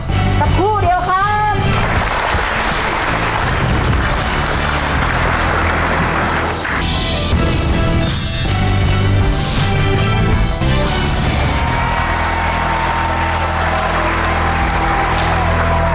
สักครู่เดียวครับ